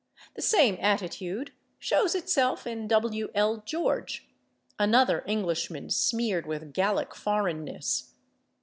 The same attitude shows itself in W. L. George, another Englishman smeared with Gallic foreignness.